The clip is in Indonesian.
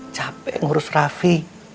capek ngurus rafi